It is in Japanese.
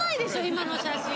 今の写真。